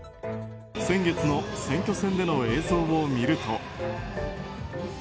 先月の選挙戦での映像を見ると。